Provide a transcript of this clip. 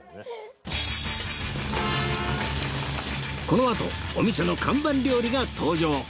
このあとお店の看板料理が登場